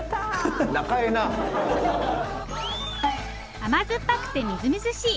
甘酸っぱくてみずみずしい！